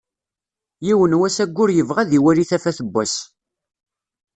Yiwen n wass aggur yebɣa ad iwali tafat n wass.